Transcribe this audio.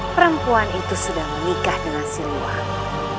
perempuan itu sudah menikah dengan siluangku